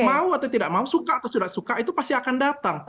kalau misalnya kita mau suka atau tidak suka itu pasti akan datang